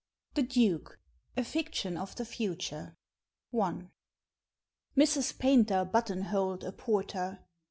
THE DUKE A FICTION OF THE FUTURE I. MRS. PAYNTER buttonholed a porter.